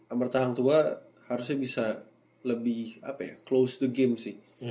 amartya hang tua harusnya bisa lebih close the game sih